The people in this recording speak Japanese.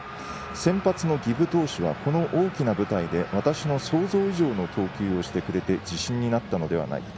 先発の儀部投手はこの大きな舞台私の想像以上の投球をしてくれて自信になったのではないか。